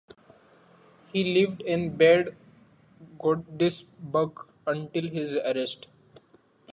He lived in Bad Godesberg until his arrest.